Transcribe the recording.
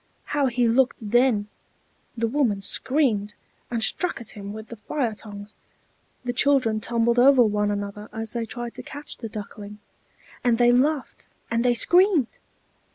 How he looked then! The woman screamed, and struck at him with the fire tongs; the children tumbled over one another as they tried to catch the Duckling; and they laughed and they screamed!